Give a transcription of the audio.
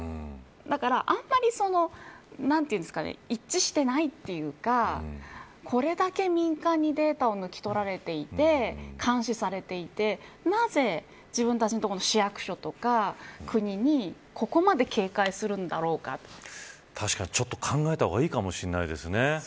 だから、あんまり一致していないというかこれだけ民間にデータを抜き取られていて監視されていてなぜ自分たちのところの市役所とか国に確かに、ちょっと考えた方がいいかもしれないですね。